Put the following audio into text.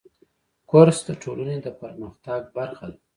کورس د ټولنې د پرمختګ برخه ده.